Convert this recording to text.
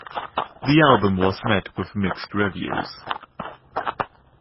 The album was met with mixed reviews.